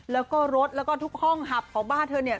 แล้วก็รถแล้วก็ทุกห้องหับของบ้านเธอเนี่ย